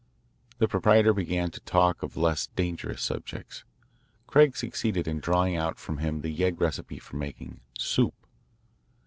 The proprietor began to talk of less dangerous subjects. Craig succeeded in drawing out from him the yegg recipe for making "soup."